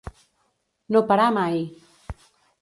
No parar mai.